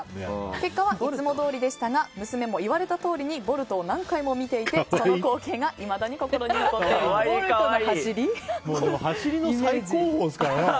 結果はいつもどおりでしたが娘も言われたとおりにボルトを何回も見ていてその光景が走りの最高峰ですからね。